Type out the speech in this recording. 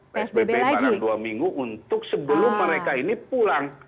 psbb barang dua minggu untuk sebelum mereka ini pulang